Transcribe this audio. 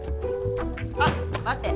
あっ待って。